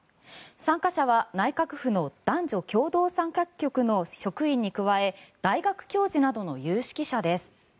参加者は内閣府の男女共同参画局の職員に加え大学教授などの有識者です。